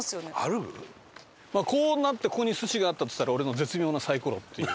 こうなってここに寿司があったとしたら俺の絶妙なサイコロっていう。